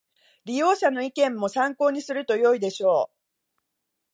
利用者の意見も参考にするとよいでしょう